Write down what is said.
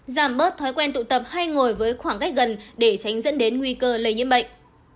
giảm bớt thói quen tụ tập hay ngồi với khoảng cách gần để tránh dẫn đến nguy cơ lây nhiễm bệnh